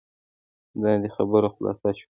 دا دی خبره خلاصه شوه.